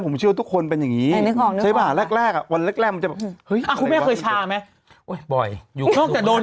ผมเชื่อทุกคนเป็นอย่างนี้หละวันแรกมันจะอืมเป็นอย่างไรหว่ะนึกออก